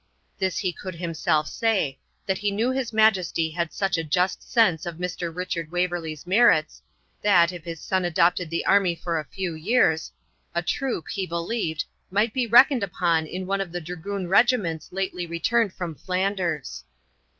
This he could himself say, that he knew his Majesty had such a just sense of Mr. Richard Waverley's merits, that, if his son adopted the army for a few years, a troop, he believed, might be reckoned upon in one of the dragoon regiments lately returned from Flanders.